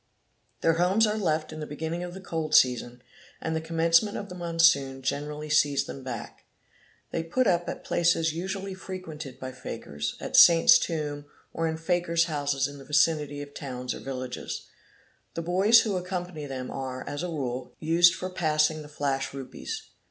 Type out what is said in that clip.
Their homes are left in the beginning of the cold season, and the commencement of the monsoon generally sees them back. They put up at places usually frequented by fakirs, a Saints' Tombs or in Fakirs' houses in the vicinity of towns or villages The boys who accompany them are, as a rule, used for passing the flash rupees.